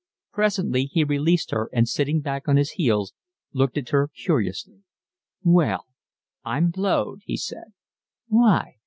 Presently he released her and sitting back on his heels looked at her curiously. "Well, I'm blowed!" he said. "Why?"